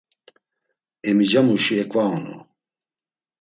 Emicamuşi eǩvaonu.